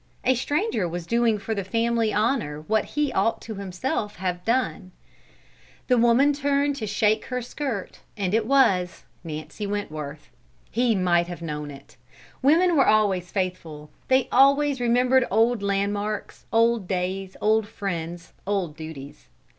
A stranger was doing for the family honour what he ought himself to have done. The woman turned to shake her skirt, and it was Nancy Wentworth. He might have known it. Women were always faithful; they always remembered old landmarks, old days, old friends, old duties.